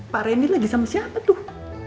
pak randy lagi sama siapa tuh